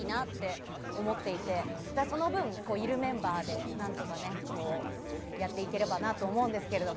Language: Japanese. その分、いるメンバーで何とかやっていければなと思いますけど。